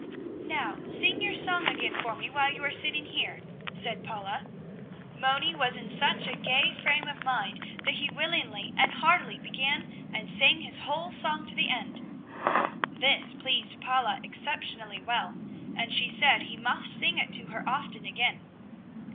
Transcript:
"Now sing your song again for me, while you are sitting here," said Paula. Moni was in such a gay frame of mind that he willingly and heartily began and sang his whole song to the end. This pleased Paula exceptionally well and she said he must sing it to her often again.